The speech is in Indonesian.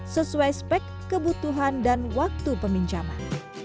sesuai spek kebutuhan dan waktu peminjaman